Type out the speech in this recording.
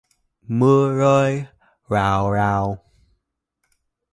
Mưa rơi rào rào